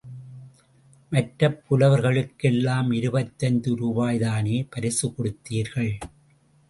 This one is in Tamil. மற்றப் புலவர்களுக்கெல்லாம் இருபத்தைந்து ரூபாய்தானே பரிசு கொடுத்தீர்கள்.